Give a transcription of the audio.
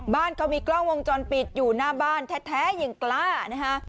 บ้านเขามีกล้องวงจรปิดอยู่หน้าบ้านแท้ยังกล้านะคะ